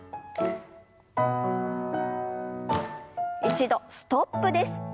一度ストップです。